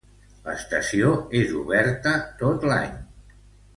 L'estació és oberta tot l'any.